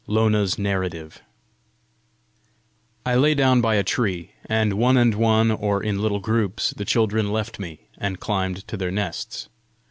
LONA'S NARRATIVE I lay down by a tree, and one and one or in little groups, the children left me and climbed to their nests.